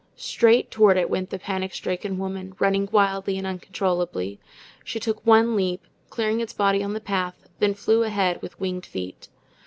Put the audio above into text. Straight toward it went the panic stricken woman, running wildly and uncontrollably. She took one leap, clearing its body on the path, then flew ahead with winged feet.